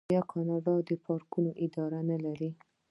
آیا کاناډا د پارکونو اداره نلري؟